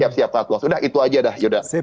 siap siap sudah itu aja dah